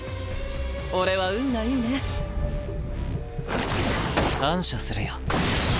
俺は運がいいね。感謝するよ。